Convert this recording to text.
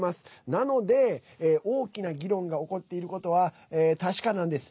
なので、大きな議論が起こっていることは確かなんです。